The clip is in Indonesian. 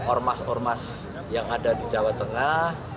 ormas ormas yang ada di jawa tengah